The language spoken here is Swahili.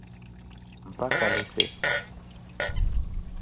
mpaka nife